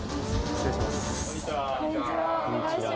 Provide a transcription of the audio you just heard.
失礼いたします。